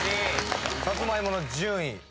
さつまいもの順位